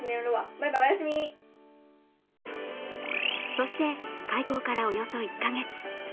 そして、開校からおよそ１か月。